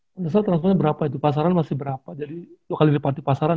pernah saya tau transfernya berapa itu pasaran masih berapa jadi dua kali lipati pasaran